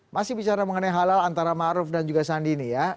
masih bicara mengenai halal antara ⁇ maruf ⁇ dan juga sandi ini ya